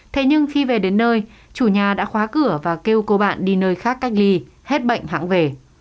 thế nhưng khi về đến nơi chủ nhà đã khóa cửa và kêu cô bạn đi nơi khác cách ly hết bệnh hãng về